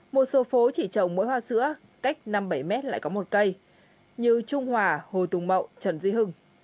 một số phố chỉ trồng mỗi hoa sữa cách năm bảy mét lại có một cây như trung hòa hồ tùng mậu trần duy hưng